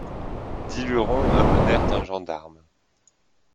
Dix lurons amenèrent un gendarme.